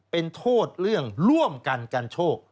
เป็นโทษเรื่องร่วมกันกันโชค